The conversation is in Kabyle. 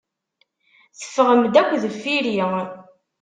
Teffɣem-d akk deffir-i.